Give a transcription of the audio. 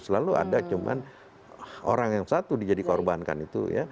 selalu ada cuma orang yang satu dijadi korbankan itu ya